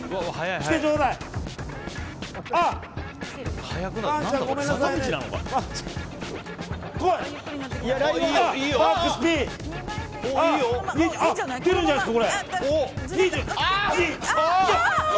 来るんじゃないですか？